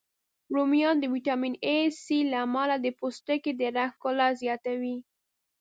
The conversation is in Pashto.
رومیان د ویټامین C، A، له امله د پوستکي د رنګ ښکلا زیاتوی